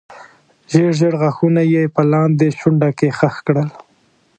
ژېړ ژېړ غاښونه یې په لاندې شونډه کې خښ کړل.